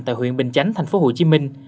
tại huyện bình chánh tp hcm